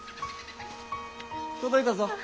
届いたぞ。